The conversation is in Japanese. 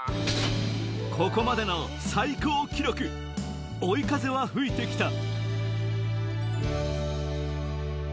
ここまでの最高記録追い風は吹いて来た